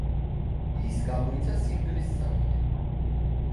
ის გამოიცა სინგლის სახით.